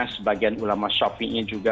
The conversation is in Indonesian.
sebagian ulama shafi'i juga